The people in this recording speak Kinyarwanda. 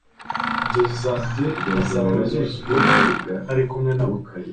Inzozi zanjye ntizaba zuzuye ntari kumwe nawe